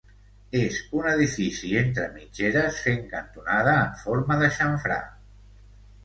És un edifici entre mitgeres fent cantonada en forma de xamfrà.